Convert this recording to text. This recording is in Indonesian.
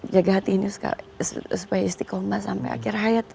jaga hati ini supaya istiqomah sampai akhir hayat